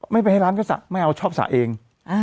ไม่ไปให้ร้านก็สระไม่เอาชอบสระเอง